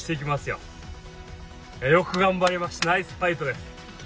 よく頑張りました、ナイスファイトです。